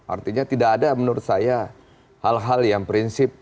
artinya tidak ada menurut saya hal hal yang prinsip